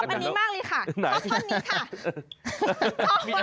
อันนี้มากเลยค่ะชอบท่อนนี้ค่ะ